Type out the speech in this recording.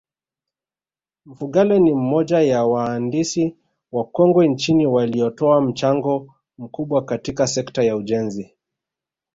Mfugale ni moja ya waandisi wakongwe nchini waliotoa mchango mkubwa katika sekta ya ujenzi